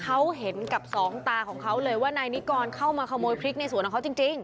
เขาเห็นกับสองตาของเขาเลยว่านายนิกรเข้ามาขโมยพริกในสวนของเขาจริง